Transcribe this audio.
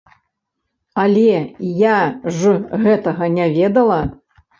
Але я ж гэтага не ведала.